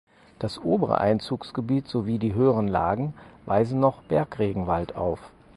Das obere Einzugsgebiet sowie die höheren Lagen weisen noch Bergregenwald auf.